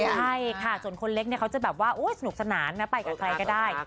ใช่ค่ะส่วนคนเล็กเนี่ยเขาจะแบบว่าสนุกสนานนะไปกับใครก็ได้